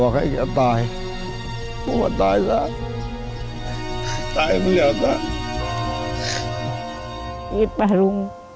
เอกปรุง